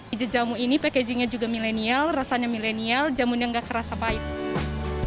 ijet jamu ini packagingnya juga milenial rasanya milenial jamunya nggak keras apa apa